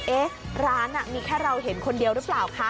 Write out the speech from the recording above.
เอ๊ะร้านมีแค่เราเห็นคนเดียวหรือเปล่าคะ